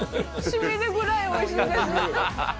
しみるぐらいおいしいです。